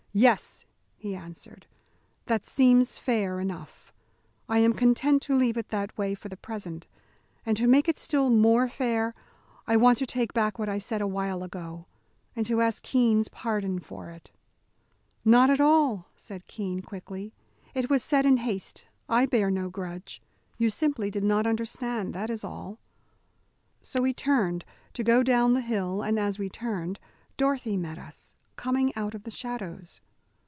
"Yes," he answered, "that seems fair enough. I am content to leave it in that way for the present. And to make it still more fair, I want to take back what I said awhile ago, and to ask Keene's pardon for it." "Not at all," said Keene, quickly, "it was said in haste, I bear no grudge. You simply did not understand, that is all." So we turned to go down the hill, and as we turned, Dorothy met us, coming out of the shadows.